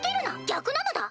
逆なのだ！